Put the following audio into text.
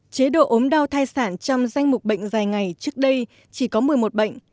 chế độ ốm đau thai sản trong danh mục bệnh dài ngày trước đây chỉ có một mươi một bệnh